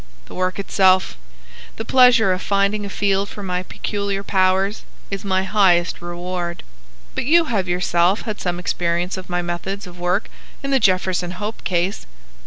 The work itself, the pleasure of finding a field for my peculiar powers, is my highest reward. But you have yourself had some experience of my methods of work in the Jefferson Hope case."